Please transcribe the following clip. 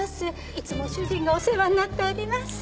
いつも主人がお世話になっております。